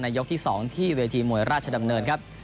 ยกที่๒ที่เวทีมวยราชดำเนินครับ